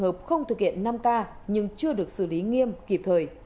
hãy đăng ký kênh để ủng hộ kênh của mình nhé